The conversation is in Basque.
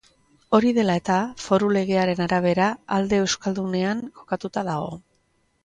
Hori dela eta, foru legearen arabera, alde euskaldunean kokatuta dago.